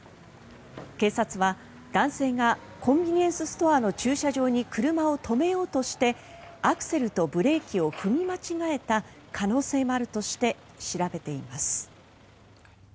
警察は、男性がコンビニエンスストアの駐車場に車を止めようとしてアクセルとブレーキを踏み間違えた可能性もあるとして調べています。